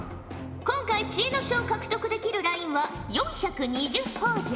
今回知恵の書を獲得できるラインは４２０ほぉじゃ。